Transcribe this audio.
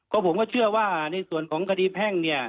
ก็ผมก็เชื่อว่าในส่วนของคดีแพ่งเนี่ย